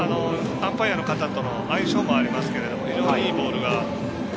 アンパイアの方との相性もありますけど非常にいいボールがいってます。